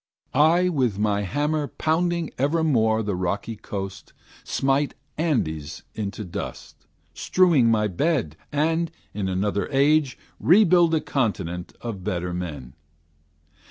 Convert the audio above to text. I with my hammer pounding evermore The rocky coast, smite Andes into dust, Strewing my bed, and, in another age, Rebuild a continent of better men.